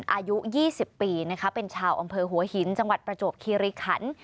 อายุ๒๐ปีนะคะเป็นชาวอำเภอหัวหินจังหวัดประจวบคีริขัน